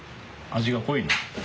味が濃い。